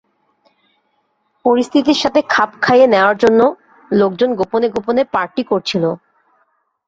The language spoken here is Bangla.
পরিস্থিতির সাথে খাপ খাইয়ে নেয়ার জন্য, লোকজন গোপনে গোপনে পার্টি করছিল।